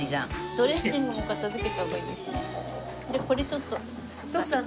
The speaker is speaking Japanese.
ドレッシングも片付けた方がいいですね。